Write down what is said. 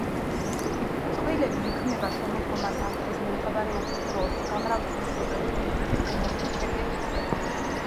წყვილები იქმნება შემოდგომა-ზამთრის მომთაბარეობის დროს; გამრავლების სეზონი ფოთლების გამოსვლის შემდეგ იწყება.